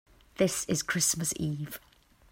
This is Christmas Eve.